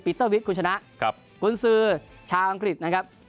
เตอร์วิทย์คุณชนะคุณซื้อชาวอังกฤษนะครับ